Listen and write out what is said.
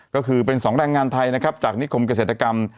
ก็คือเป็น๒แรงงานไทยนะครับจากนิคมเกษตรกรรม